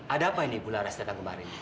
ada apa ini ibu laras dalam kemarin